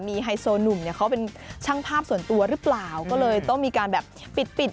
มีไฮโซหนุ่มเนี่ยเขาเป็นช่างภาพส่วนตัวหรือเปล่าก็เลยต้องมีการแบบปิดปิด